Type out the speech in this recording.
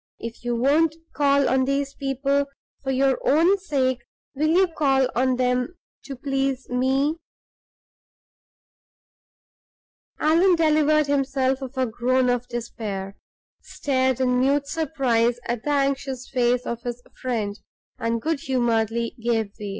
"If you won't call on these people for your own sake, will you call on them to please me?" Allan delivered himself of a groan of despair, stared in mute surprise at the anxious face of his friend, and good humoredly gave way.